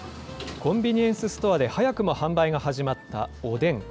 コンビニエンスストアで早くも販売が始まったおでん。